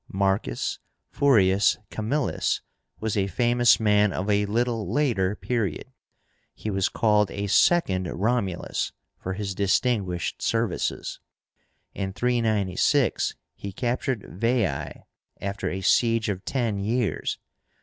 MARCUS FURIUS CAMILLUS was a famous man of a little later period. He was called a second Romulus for his distinguished services. In 396 he captured Veii, after a siege of ten years.